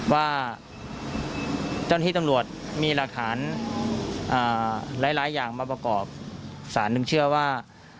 ว่าเจ้าหน้าที่ตำรวจมีหลักฐานหลายอย่างมาประกอบสารหนึ่งเชื่อว่า